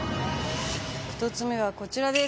１つ目はこちらです。